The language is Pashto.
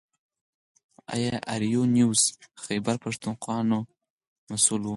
د اې ار یو نیوز خیبر پښتونخوا مسوول و.